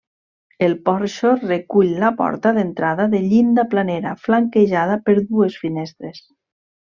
El porxo recull la porta d'entrada de llinda planera, flanquejada per dues finestres.